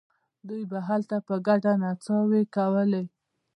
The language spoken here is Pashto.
دوی به هلته په ګډه نڅاوې کولې.